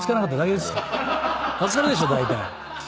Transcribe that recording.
分かるでしょだいたい。